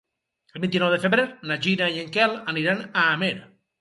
El vint-i-nou de febrer na Gina i en Quel aniran a Amer.